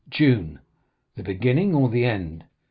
"June." "The beginning or the end?"